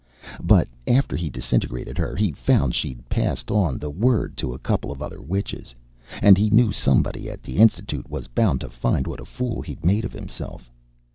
But after he disintegrated her, he found she'd passed on the word to a couple of other witches. And he knew somebody at the Institute was bound to find what a fool he'd made of himself.